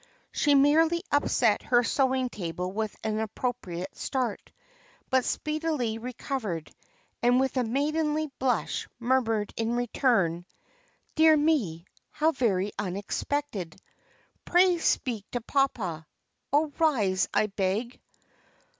She merely upset her sewing table with an appropriate start, but speedily recovered, and with a maidenly blush murmured in return "Dear me, how very unexpected! pray speak to papa, oh, rise, I beg."